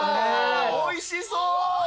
おいしそう！